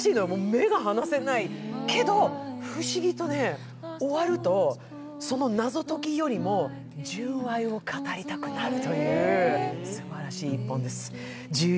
目が離せないけど、不思議と終わると、その謎解きより純愛を語りたくなるというすばらしい一本です。